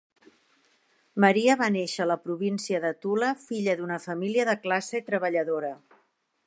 Maria va néixer a la Província de Tula, filla d'una família de classe treballadora.